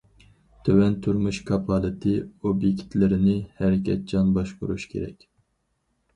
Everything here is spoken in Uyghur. تۆۋەن تۇرمۇش كاپالىتى ئوبيېكتلىرىنى ھەرىكەتچان باشقۇرۇش كېرەك.